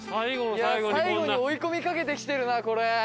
いや最後に追い込みかけてきてるなこれ。